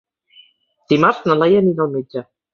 Dimarts na Laia anirà al metge.